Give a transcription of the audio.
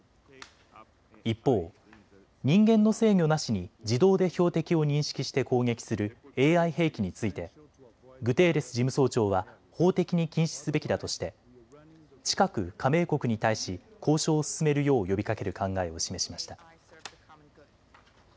一方、人間の制御なしに自動で標的を認識して攻撃するＡＩ兵器についてグテーレス事務総長は法的に禁止すべきだとして近く加盟国に対し交渉を進めるよう呼びかける考えを示しました。